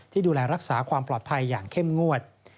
ที่ดูแลรักษาความปลอดภัยอย่างเข้มงวด